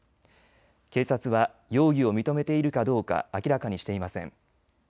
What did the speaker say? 警察は容疑を認めているかどうか明らかにしていません。